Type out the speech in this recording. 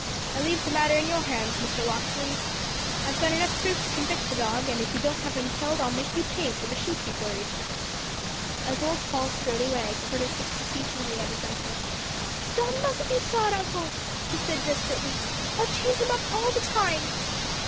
"I leave the matter in your hands, Mr. Locksley. I've got enough proof to convict the dog and, if you don't have him killed, I'll make you pay for the sheep he worried." As old Paul strode away, Curtis looked beseechingly at his uncle. "Don mustn't be shot, Uncle!" he said desperately. "I'll chain him up all the time."